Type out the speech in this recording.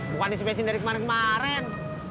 bukan dispensi dari kemarin kemarin